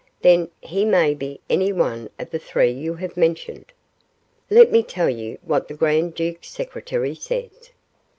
"Then, he may be any one of the three you have mentioned?" "Let me tell you what the grand duke's secretary says.